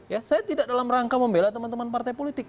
ya saya tidak dalam rangka membela teman teman partai politik